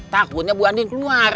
takutnya bu andien keluar